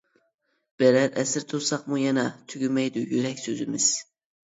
بىرەر ئەسىر تۇرساقمۇ يەنە، تۈگىمەيدۇ يۈرەك سۆزىمىز.